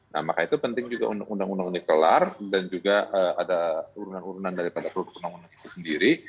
nah makanya itu penting juga undang undang ini kelar dan juga ada urunan urunan dari penduduk penduduk sendiri